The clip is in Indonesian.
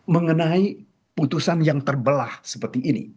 mengenai putusan yang terbelah seperti ini